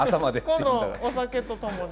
今度お酒と共に。